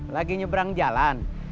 lagi nyebrang jalan